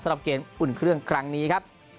สำหรับเกมอุ่นเครื่องครั้งนี้ครับ